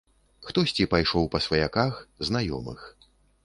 Хтосьці пайшоў па сваяках, знаёмых.